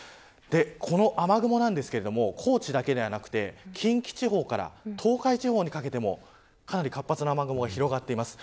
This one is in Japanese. この雨雲ですが高知だけではなくて近畿地方から東海地方にかけてもかなり活発な雨雲が広がっています。